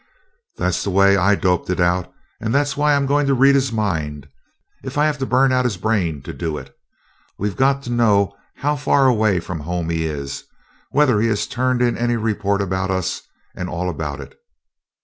"That's the way I doped it out and that's why I'm going to read his mind, if I have to burn out his brain to do it. We've got to know how far away from home he is, whether he has turned in any report about us, and all about it.